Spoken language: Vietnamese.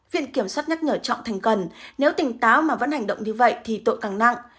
viện kiểm soát nhắc nhở trọng thành cần nếu tỉnh táo mà vẫn hành động như vậy thì tội càng nặng